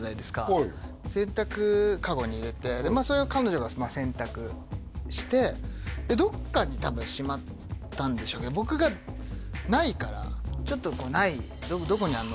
はい洗濯カゴに入れてそれを彼女が洗濯してどっかに多分しまったんでしょうけど僕がないからちょっとこうない「どこにあんの？